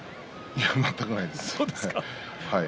いや全くないです。